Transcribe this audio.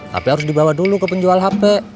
tapi harus dibawa dulu ke penjual hp